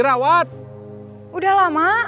sampai jumpa lagi